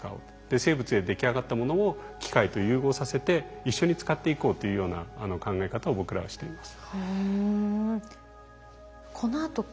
生物ででき上がったものを機械と融合させて一緒に使っていこうというような考え方を僕らはしています。